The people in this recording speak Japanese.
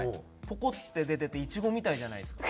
ポコッて出ててイチゴみたいじゃないですか？